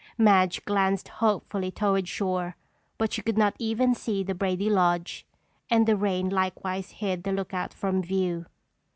Madge glanced hopefully toward shore but she could not even see the Brady lodge and the rain likewise hid the lookout from view.